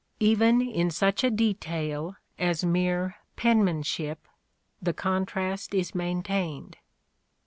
Even in such a detail as mere penmanship the contrast is maintained.